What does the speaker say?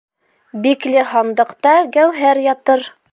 Бикле һандыҡта гәүһәр ятыр.